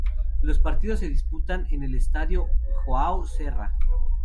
Los partidos se disputan en el estadio João Serra.